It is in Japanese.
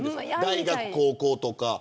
大学高校とか。